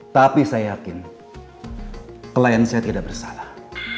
tapi saya yakin klien saya tidak bersalah